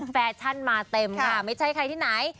แฟชั่นมาเต็มค่ะไม่ใช่ใครที่ไหน